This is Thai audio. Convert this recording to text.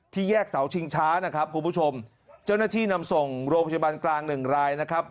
แยกเสาชิงช้านะครับคุณผู้ชมเจ้าหน้าที่นำส่งโรงพยาบาลกลางหนึ่งรายนะครับ